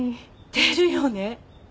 出るよね！